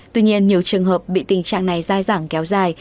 tuy nhiên nhiều trường hợp bị tình trạng này dai dẳng kéo dài